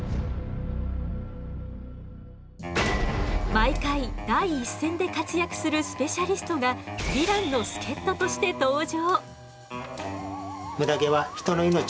毎回第一線で活躍するスペシャリストがヴィランの助っととして登場。